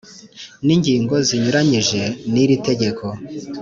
ningingo zinyuranyije n’iri tegeko